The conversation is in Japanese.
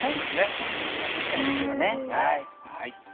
本当に見守りたいですね。